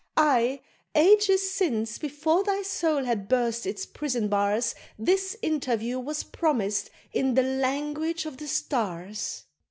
Aye, ages since, before thy soul had burst its prison bars, This interview was promis'd in the language of the stars!"